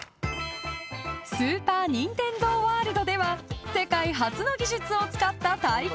［スーパー・ニンテンドー・ワールドでは世界初の技術を使った体験ができるんです］